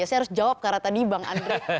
saya harus jawab karena tadi bang andre